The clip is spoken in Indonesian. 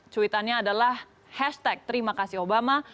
cuitannya adalah hashtag terima kasih obama